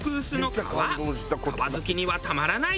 皮好きにはたまらない